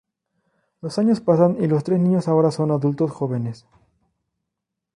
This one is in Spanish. Los años pasan, y los tres niños ahora son adultos jóvenes.